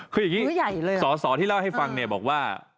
คืออย่างนี้สอที่เล่าให้ฟังบอกว่า